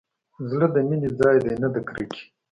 زړه د مينې ځاى دى نه د کرکې.